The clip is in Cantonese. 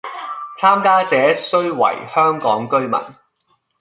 參加者須為香港居民